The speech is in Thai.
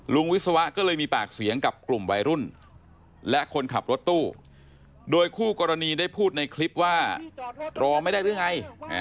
วิศวะก็เลยมีปากเสียงกับกลุ่มวัยรุ่นและคนขับรถตู้โดยคู่กรณีได้พูดในคลิปว่ารอไม่ได้หรือไง